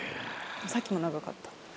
さっきも長かった。